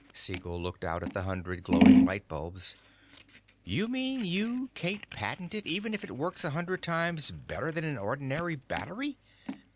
Siegel looked out at the hundred glowing light bulbs. "You mean you can't patent it, even if it works a hundred times better than an ordinary battery?"